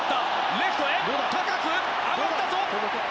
レフトへ高く上がったぞ！